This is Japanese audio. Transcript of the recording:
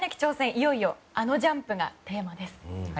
いよいよあのジャンプがテーマです。